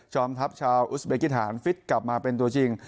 ทัพชาวอุสเบกิฐานฟิตกลับมาเป็นตัวจริง